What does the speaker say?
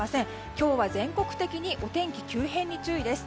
今日は全国的にお天気、急変に注意です。